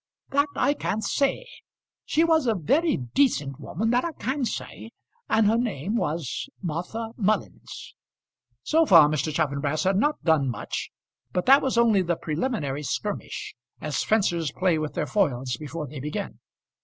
"That I can't say. She was a very decent woman, that I can say, and her name was Martha Mullens." So far Mr. Chaffanbrass had not done much; but that was only the preliminary skirmish, as fencers play with their foils before they begin.